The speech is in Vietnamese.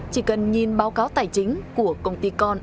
chỉ cần nhìn báo cáo tài chính của công ty con